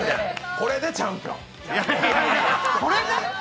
これでチャンピオン！